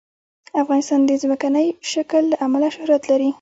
افغانستان د ځمکنی شکل له امله شهرت لري.